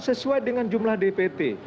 sesuai dengan jumlah dpt